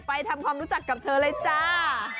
ไปทำความรู้จักกับเธอเลยจ้า